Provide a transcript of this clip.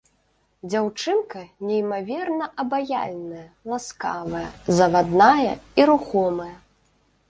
Дзяўчынка неймаверна абаяльная, ласкавая, завадная і рухомая.